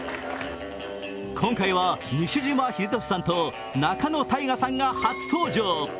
今回は西島秀俊さんと仲野太賀さんが初登場。